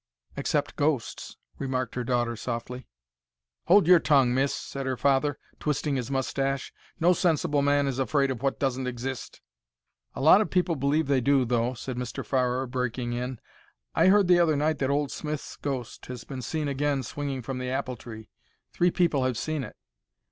"Except ghosts," remarked her daughter, softly. "Hold your tongue, miss," said her father, twisting his moustache. "No sensible man is afraid of what doesn't exist." "A lot of people believe they do, though," said Mr. Farrer, breaking in. "I heard the other night that old Smith's ghost has been seen again swinging from the apple tree. Three people have seen it."